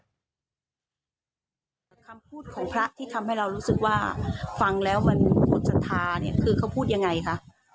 แต่คำพูดของพระที่ทำให้เรารู้สึกว่าฟังแล้วมันหมดศรัทธาเนี่ยคือเขาพูดยังไงคะ